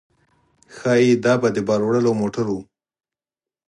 ښايي دا به د بار وړلو موټر و.